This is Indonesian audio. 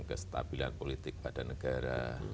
kestabilan politik pada negara